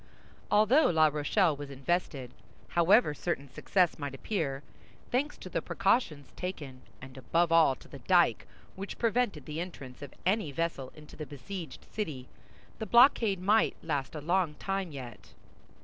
Although La Rochelle was invested, however certain success might appear—thanks to the precautions taken, and above all to the dyke, which prevented the entrance of any vessel into the besieged city—the blockade might last a long time yet.